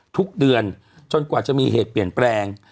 ทุกเดือนจนกว่าจะมีเหตุเปลี่ยนแปลง